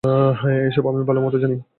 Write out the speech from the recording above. এইসব আমি ভালোমতো জানি।